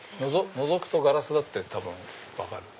のぞくとガラスだって多分分かる。